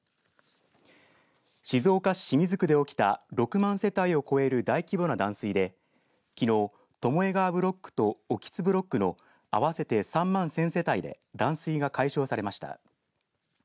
静岡市清水区で起きた６万世帯を超える大規模な断水で、きのう巴川ブロックと興津ブロックの合わせて３万１０００世帯で断水が解消されました。